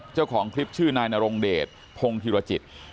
เจ้าของคลิปชื่อนายนรงเดชพงธิรจิต